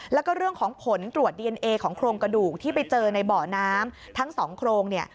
แล้วก็เรื่องของผลตรวจดีเอนเอของโครงกระดูกที่ไปเจอในเบาะน้ำทั้งสองโครงเนี่ย